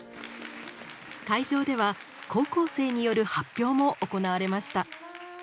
会場では高校生による発表も行われました。